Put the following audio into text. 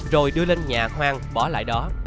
rồi đưa lên nhà khoan bỏ lại đó